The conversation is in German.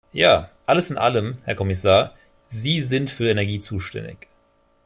Ja, alles in allem, Herr Kommissar, Sie sind für Energie zuständig.